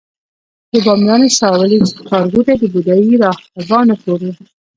د بامیانو شاولې ښارګوټي د بودايي راهبانو کور و